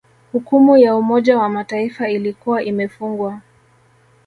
Hukumu ya Umoja wa Mataifa ilikuwa imefungwa